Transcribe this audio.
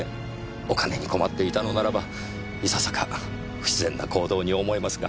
お金に困っていたのならばいささか不自然な行動に思えますが。